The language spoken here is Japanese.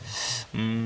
うん。